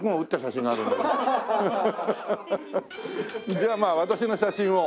じゃあまあ私の写真を。